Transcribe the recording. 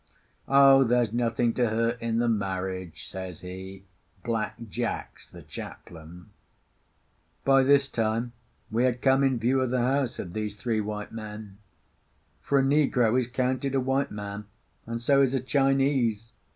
"Oh, there's nothing to hurt in the marriage," says he. "Black Jack's the chaplain." By this time we had come in view of the house of these three white men; for a negro is counted a white man, and so is a Chinese!